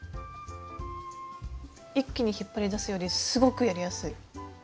一気に引っ張り出すよりすごくやりやすい。